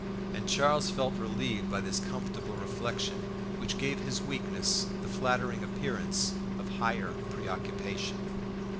And Charles felt relieved by this comfortable reflection, which gave his weakness the flattering appearance of higher pre occupation.